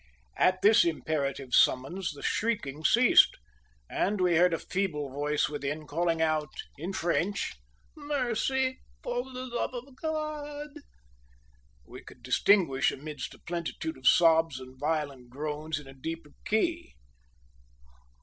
At this imperative summons the shrieking ceased, and we heard a feeble voice within, calling out in French "Mercy! for the love of God!" we could distinguish amidst a plentitude of sobs and violent groans in a deeper key.